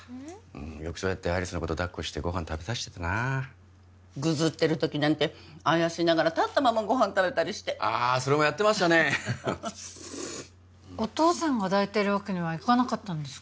よくそうやって有栖のことだっこしてご飯食べさせてたなあぐずってる時なんてあやしながら立ったままご飯食べたりしてああそれもやってましたねお父さんが抱いてるわけにはいかなかったんですか？